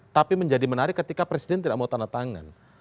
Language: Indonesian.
tapi menjadi menarik ketika presiden tidak mau tanda tangan